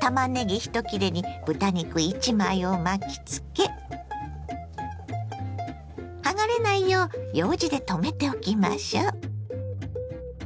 たまねぎ１切れに豚肉１枚を巻きつけ剥がれないようようじでとめておきましょ。